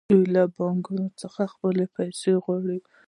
دوی له بانکونو څخه خپلې پیسې غواړي